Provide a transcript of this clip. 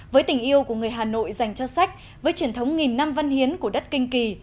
với tình yêu của người hà nội dành cho sách với truyền thống nghìn năm văn hiến của đất kinh kỳ